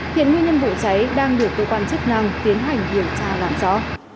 khiến nguyên nhân vụ cháy đang được cơ quan chức năng tiến hành hiểm tra làm rõ